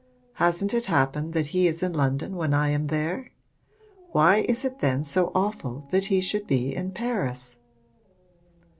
Hasn't it happened that he is in London when I am there? Why is it then so awful that he should be in Paris?'